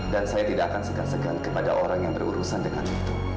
dan saya tidak akan segan segan kepada orang yang berurusan dengan itu